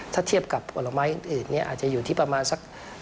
ถ้าเทียบกับผลไม้อื่นเนี่ยอาจจะอยู่ที่ประมาณสัก